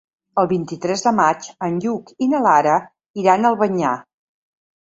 El vint-i-tres de maig en Lluc i na Lara iran a Albanyà.